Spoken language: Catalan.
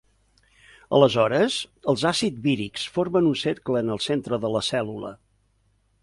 Aleshores els àcids vírics formen un cercle en el centre de la cèl·lula.